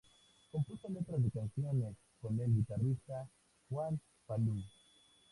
Compuso letras de canciones con el guitarrista Juan Falú.